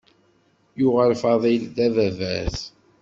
Yuɣal Faḍil d ababat.